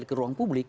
ke ruang publik